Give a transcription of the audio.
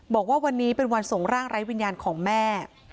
บอกว่าวันนี้เป็นวันส่งร่างไร้วิญญาณของแม่